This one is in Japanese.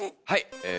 はい。